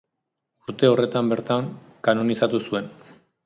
Urte horretan bertan kanonizatu zuen.